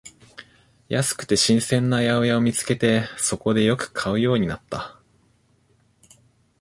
安くて新鮮な八百屋を見つけて、そこでよく買うようになった